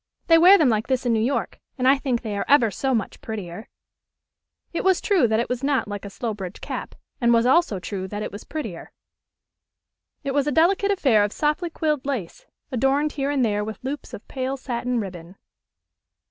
They wear them like this in New York, and I think they are ever so much prettier." It was true that it was not like a Slowbridge cap, and was also true that it was prettier. It was a delicate affair of softly quilled lace, adorned here and there with loops of pale satin ribbon.